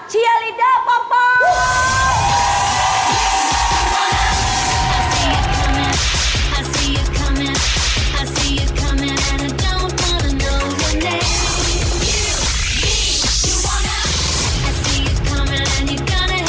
เชียร์ลีดเดอร์ป๊อปป้อง